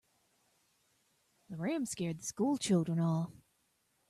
The ram scared the school children off.